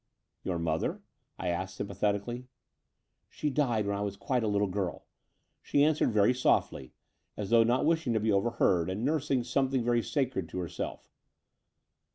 '" *'Your mother?" I asked sympathetically. "She died when I was quite a little girl," she answered very softly, as though not wishing to be overheard and nursing something very sacred to herself.